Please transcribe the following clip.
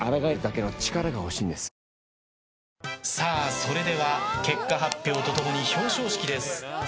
それでは結果発表と共に表彰式です。